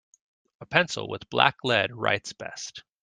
A pencil with black lead writes best.